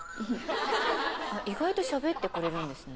［意外としゃべってくれるんですね。］